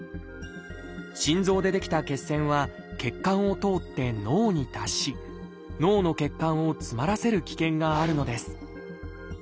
心臓で出来た血栓は血管を通って脳に達し脳の血管を詰まらせる危険があるのです。